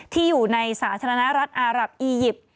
ที่อยู่ในสาธารณรัฐอารับอียิปต์